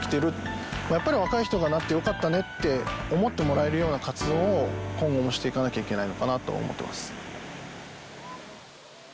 やっぱり若い人がなってよかったねって思ってもらえるような活動を今後もしていかなきゃいけないのかなと思っています。